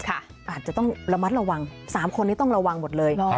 อาจจะต้องระมัดระวัง๓คนนี้ต้องระวังหมดเลย